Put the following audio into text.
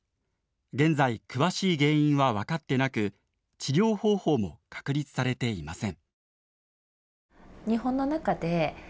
現在詳しい原因は分かってなく治療方法も確立されていません。